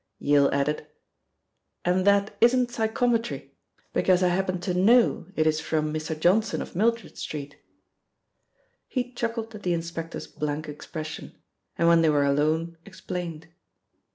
Yale added: "And that isn't psychometry, because I happen to know it is from Mr. Johnson of Mildred Street." He chuckled at the inspector's blank expression, and when they were alone, explained.